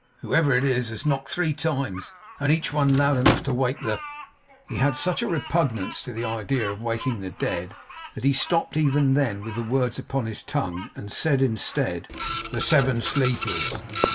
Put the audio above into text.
Whoever it is, has knocked three times, and each one loud enough to wake the ' he had such a repugnance to the idea of waking the Dead, that he stopped even then with the words upon his tongue, and said, instead, 'the Seven Sleepers.